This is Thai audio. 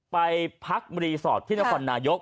ไปพักรีสอร์ทที่นครนายก